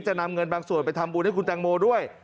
นำเงินบางส่วนไปทำบุญให้คุณแตงโมด้วย